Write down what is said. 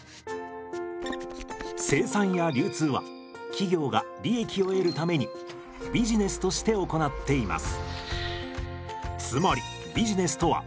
生産や流通は企業が利益を得るためにビジネスとして行っています。